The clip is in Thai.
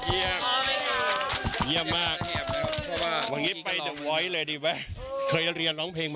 อีกวันขนควายหากินทำงานรับชายใครน้อง